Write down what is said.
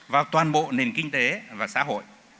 vào toàn bộ nền kinh tế và xã hội